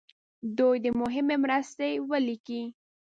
دوی دې مهمې مرستې ولیکي.